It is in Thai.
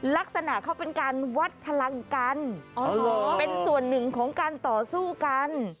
ลักษณะเขาเป็นการวัดพลังกันเป็นส่วนหนึ่งของการต่อสู้กัน